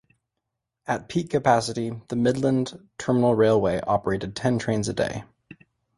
At peak capacity, the Midland Terminal Railway operated ten trains a day.